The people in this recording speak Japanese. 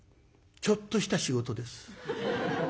「ちょっとした仕事です」。